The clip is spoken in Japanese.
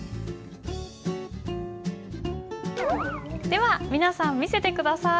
では皆さん見せて下さい。